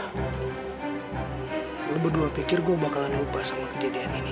aku berdua pikir gue bakalan lupa sama kejadian ini